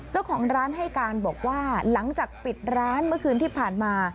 เจ้าของร้านให้การบอกว่าหลังจากปิดร้านเมื่อคืนที่ผ่านมา